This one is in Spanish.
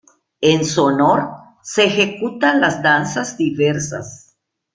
En su honor, se ejecutan las danzas diversas.